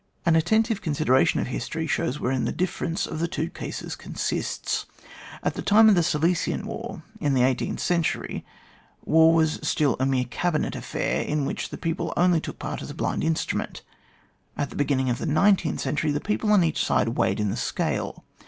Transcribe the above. An attentive consideration of history shows wherein the difference of the two cases consists. At the time of the Silesian War in the eighteenth century, war was still a mere Cabinet affair, in which the people only took part as a blind instrument; at the beginning of the nineteenth century the people on each side weighed in the scale.